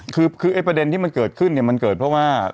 คือไอ้ประเด็นที่มันเกิดขึ้นเนี่ยมันเกิดเพราะว่า